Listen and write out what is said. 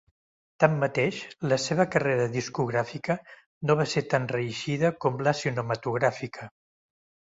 Tanmateix, la seva carrera discogràfica no va ser tan reeixida com la cinematogràfica.